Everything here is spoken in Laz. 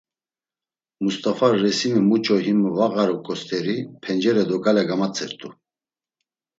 Must̆afa, resimi muç̌o himu va ğaruǩo st̆eri pencere do gale gamatzert̆u.